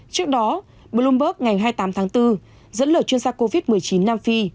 trước đó bloomberg ngày hai mươi tám tháng bốn dẫn lời chuyên gia covid một mươi chín nam phi